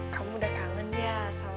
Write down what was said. kamu udah kangen ya salah aku